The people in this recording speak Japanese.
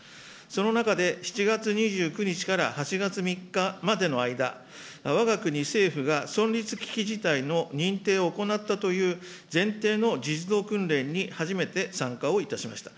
その中で、７月２９日から８月３日までの間、わが国政府が存立危機事態の認定を行ったという前提の実動訓練に初めて参加をいたしました。